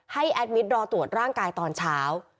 แอดมิตรรอตรวจร่างกายตอนเช้า